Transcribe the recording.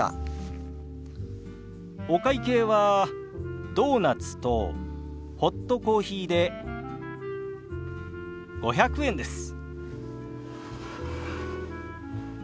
お会計はドーナツとホットコーヒーで５００円です。